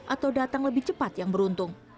atau datang lebih cepat yang beruntung